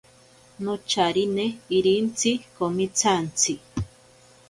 Nocharine irintsi komitsantsi.